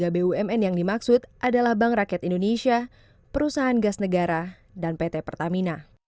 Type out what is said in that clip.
tiga bumn yang dimaksud adalah bank rakyat indonesia perusahaan gas negara dan pt pertamina